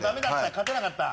勝てなかった？